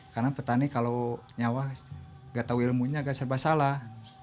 karena petani kalau nyawa gak tahu ilmunya gak serba salah